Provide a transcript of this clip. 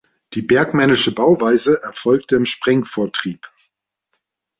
Die bergmännische Bauweise erfolgte im Sprengvortrieb.